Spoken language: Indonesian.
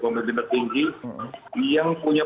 komunis mertinggi yang punya